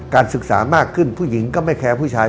ศึกษามากขึ้นผู้หญิงก็ไม่แคร์ผู้ชาย